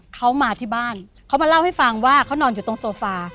เขามาที่บ้านเขามาเล่าให้ฟังว่าเขานอนอยู่ตรงโซฟา